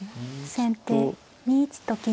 先手２一と金。